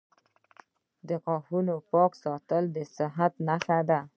• د غاښونو پاک ساتل د صحت نښه ده.